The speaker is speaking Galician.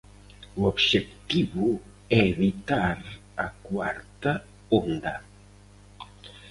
O obxectivo é evitar a cuarta onda.